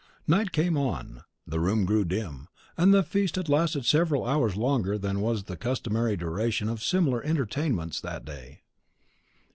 Night came on; the room grew dim, and the feast had lasted several hours longer than was the customary duration of similar entertainments at that day.